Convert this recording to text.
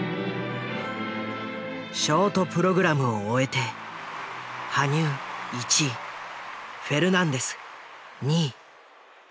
ショートプログラムを終えて羽生１位フェルナンデス２位。